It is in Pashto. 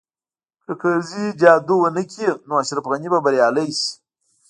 که کرزی جادو ونه کړي نو اشرف غني به بریالی شي